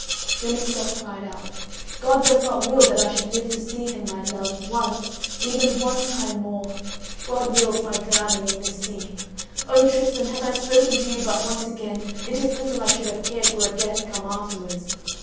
Then Iseult cried out: "God does not will that I should live to see him, my love, once—even one time more. God wills my drowning in this sea. O, Tristan, had I spoken to you but once again, it is little I should have cared for a death come afterwards.